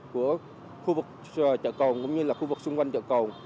của khu vực chợ côn cũng như là khu vực xung quanh chợ côn